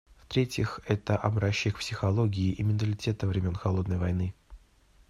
В-третьих, это образчик психологии и менталитета времен «холодной войны».